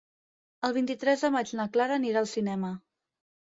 El vint-i-tres de maig na Clara anirà al cinema.